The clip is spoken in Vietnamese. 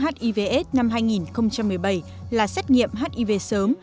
chủ đề thắng hành động quốc gia phòng chống hiv aids năm hai nghìn một mươi bảy là xét nghiệm hiv sớm